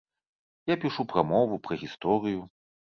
Я пішу пра мову, пра гісторыю.